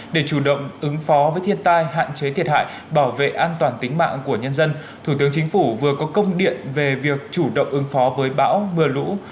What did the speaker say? để chủ động ứng phó với thiên tai hạn chế thiệt hại bảo vệ an toàn tính mạng của nhân dân thủ tướng chính phủ vừa có công điện về việc chủ động ứng phó với bão mưa lũ